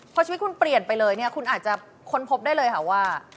พอชีวิตคุณเปลี่ยนไปเลยเนี่ยคุณอาจจะค้นพบได้เลยค่ะว่า